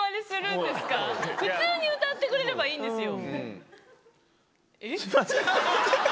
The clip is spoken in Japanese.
普通に歌ってくれればいいんですよ。